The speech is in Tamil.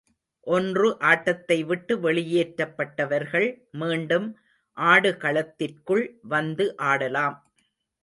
ஒன்று ஆட்டத்தை விட்டு வெளியேற்றப்பட்டவர்கள் மீண்டும் ஆடுகளத்திற்குள் வந்து ஆடலாம்.